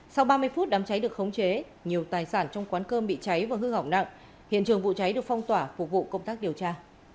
sau ba mươi phút đám cháy được khống chế nhiều tài sản trong quán cơm bị cháy và hư hỏng nặng hiện trường vụ cháy được phong tỏa phục vụ công tác điều tra